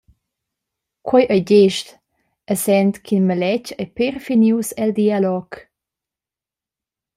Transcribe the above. Quei ei gest, essend ch’in maletg ei pér finius el dialog.